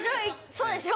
そうでしょ？